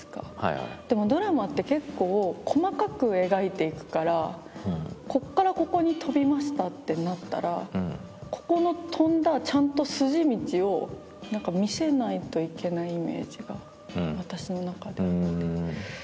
でもドラマって結構細かく描いていくから「こっからここに飛びました」ってなったらここの飛んだちゃんと筋道を何か見せないといけないイメージが私の中であって。